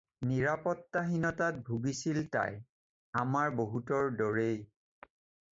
নিৰাপত্তাহীনতাত ভুগিছিল তাই, আমাৰ বহুতৰ দৰেই।